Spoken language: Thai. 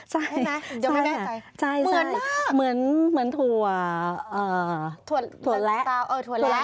ใช่ใช่ไหมเดี๋ยวไม่เข้าใจเหมือนมากเหมือนถั่วถั่วแหละถั่วแหละใช่